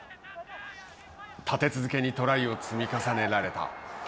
立て続けにトライを積み重ねられた。